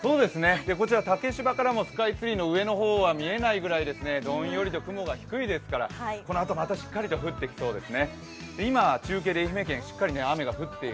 こちら竹芝からもスカイツリーの上の方は見えないぐらいどんよりと雲が低いですからこのあともしっかり降ってきそうです。